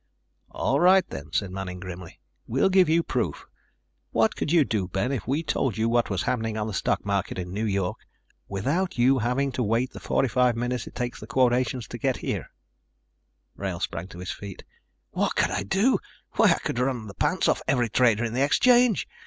"All right then," said Manning grimly, "we'll give you proof. What could you do, Ben, if we told you what was happening on the stock market in New York ... without you having to wait the 45 minutes it takes the quotations to get here?" Wrail sprang to his feet. "What could I do? Why, I could run the pants off every trader in the exchange!